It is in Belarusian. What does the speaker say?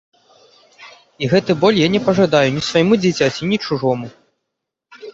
І гэты боль я не пажадаю ні свайму дзіцяці ні чужому.